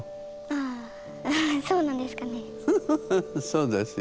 そうですよ。